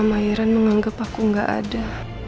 mama iren menganggap aku gak ada